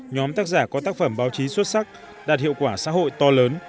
nhóm tác giả có tác phẩm báo chí xuất sắc đạt hiệu quả xã hội to lớn